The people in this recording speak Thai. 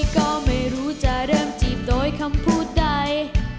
ก็ไม่รู้จะเริ่มจีบโดยคำพูดใด